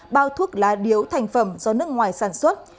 bức lá điếu thành phẩm do nước ngoài sản xuất